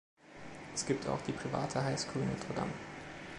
Es gibt auch die private Highschool Notre-Dame.